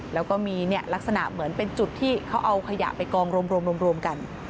แล้วก็มีลักษณะเหมือนเป็นจุดที่เขาเอาขยะไปกองรวมกัน